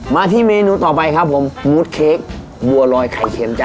มาที่เมนูต่อไปครับผมมูดเค้กบัวลอยไข่เค็มจ้